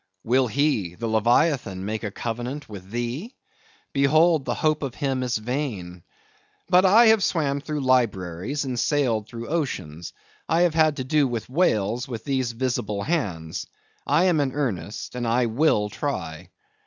Will he (the leviathan) make a covenant with thee? Behold the hope of him is vain! But I have swam through libraries and sailed through oceans; I have had to do with whales with these visible hands; I am in earnest; and I will try.